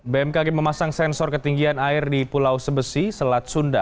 bmkg memasang sensor ketinggian air di pulau sebesi selat sunda